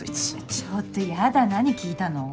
ちょっとやだ何聞いたの！？